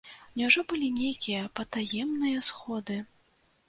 Няўжо былі нейкія патаемныя сходы?